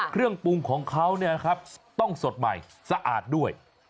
เครื่องปรุงของเขาเนี่ยนะครับต้องสดใหม่สะอาดด้วย